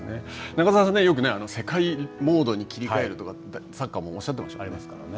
中澤さん、よく世界モードに切り替えるとか、サッカーもおっしゃってましたもんね。